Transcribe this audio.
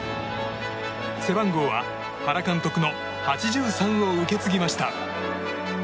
背番号は原監督の８３を受け継ぎました。